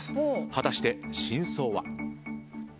果たして真相は。